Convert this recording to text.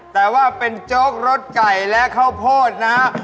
แต่ว่าเป็นโจ๊กรสไก่และข้าวโพดนะฮะ